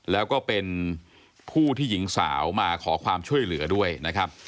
แล้วก็เป็นผู้ที่หญิงสาวมาขอความช่วยเหลือด้วยนะครับ